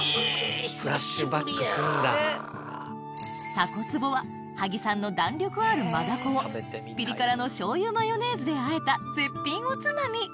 たこつぼは萩産の弾力ある真ダコをピリ辛のしょう油マヨネーズであえた絶品おつまみ